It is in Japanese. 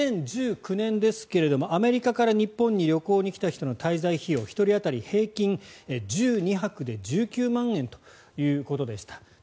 ２０１９年ですけれどもアメリカから日本に旅行に来た人の滞在費用１人当たり平均１２泊で１９万円ということでした。